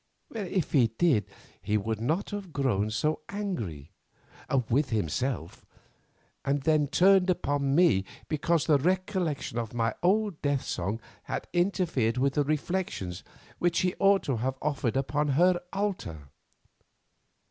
If he did he would not have grown so angry—with himself—and then turned upon me because the recollection of my old death song had interfered with the reflections which he ought to have offered upon her altar.